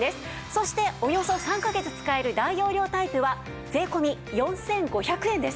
そしておよそ３カ月使える大容量タイプは税込４５００円です。